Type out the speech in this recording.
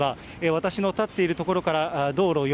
私の立っている所から道路、よ